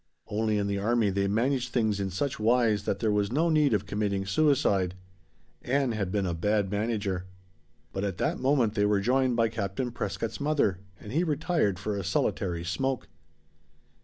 Only in the army they managed things in such wise that there was no need of committing suicide. Ann had been a bad manager. But at that moment they were joined by Captain Prescott's mother and he retired for a solitary smoke.